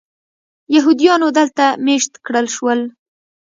یهودیانو دلته مېشت کړل شول.